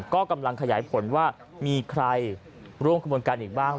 ก็กำลังขยายผลว่ามีใครร่วมขบวนการอีกบ้าง